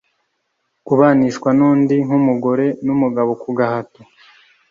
kubanishwa n’undi nk’umugore n’umugabo ku gahato